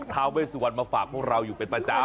ท้าเวสวันมาฝากพวกเราอยู่เป็นประจำ